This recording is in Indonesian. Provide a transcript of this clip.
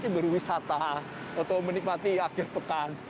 berwisata atau menikmati akhir pekan